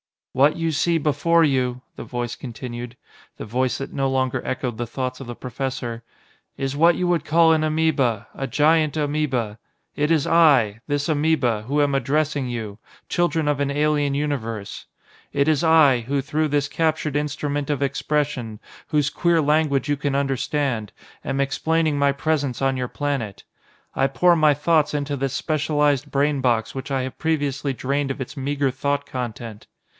"What you see before you," the Voice continued the Voice that no longer echoed the thoughts of the professor "is what you would call an amoeba, a giant amoeba. It is I this amoeba, who am addressing you children of an alien universe. It is I, who through this captured instrument of expression, whose queer language you can understand, am explaining my presence on your planet. I pour my thoughts into this specialised brain box which I have previously drained of its meager thought content."